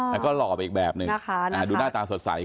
แต่ก็หลอกออกไปอีกแบบหนึ่งดูหน้าตาสดใสขึ้น